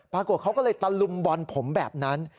ปรากฏเขาก็เลยตะลุมบอลผมแบบนั้น